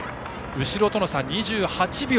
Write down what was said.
後ろとの差は２８秒。